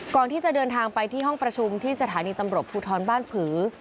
ก่อนที่จะเดินทางไปที่ห้องประชุมที่สถานีตำรวจภูทรบ้านผือ